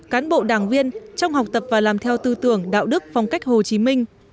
cán bộ đảng viên trong học tập và làm theo tư tưởng đạo đức phong cách hồ chí minh